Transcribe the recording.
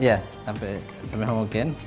ya sampai homogen